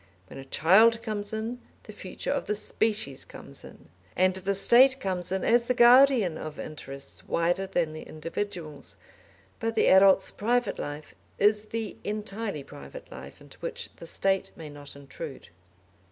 When a child comes in, the future of the species comes in; and the State comes in as the guardian of interests wider than the individual's; but the adult's private life is the entirely private life into which the State may not intrude.